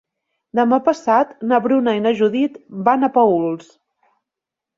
Demà passat na Bruna i na Judit van a Paüls.